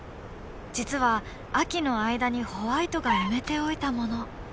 実は秋の間にホワイトが埋めておいたもの。